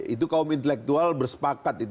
itu kaum intelektual bersepakat